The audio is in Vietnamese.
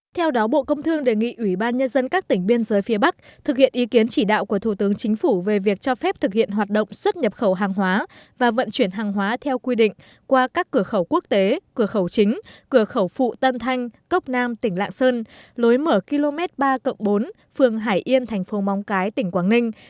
theo đó bộ công thương đề nghị ủy ban nhân dân các tỉnh biên giới phía bắc thực hiện ý kiến chỉ đạo của thủ tướng chính phủ về việc cho phép thực hiện hoạt động xuất nhập khẩu hàng hóa và vận chuyển hàng hóa theo quy định qua các cửa khẩu quốc tế cửa khẩu chính cửa khẩu phụ tân thanh cốc nam tỉnh lạng sơn lối mở km ba bốn phường hải yên thành phố móng cái tỉnh quảng ninh